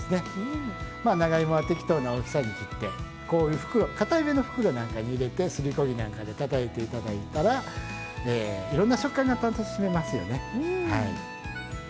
長芋は適当な大きさに切ってこういう袋かたいめの袋なんかに入れてすりこ木なんかでたたいて頂いたらいろんな食感が楽しめますよね。